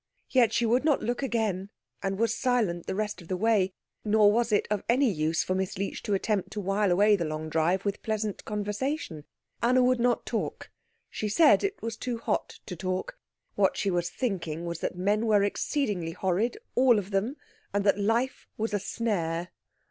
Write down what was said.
Yet she would not look again, and was silent the rest of the way; nor was it of any use for Miss Leech to attempt to while away the long drive with pleasant conversation. Anna would not talk; she said it was too hot to talk. What she was thinking was that men were exceedingly horrid, all of them, and that life was a snare.